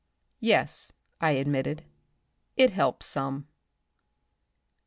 "Yes," I admitted; "it helps some."